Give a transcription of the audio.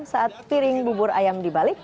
saat piring bubur ayam dibalik